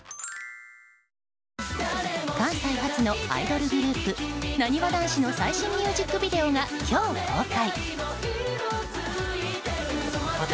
関西発のアイドルグループなにわ男子の最新ミュージックビデオが今日公開。